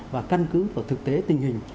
và căn cứ vào thực tế tình hình